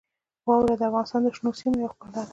واوره د افغانستان د شنو سیمو یوه ښکلا ده.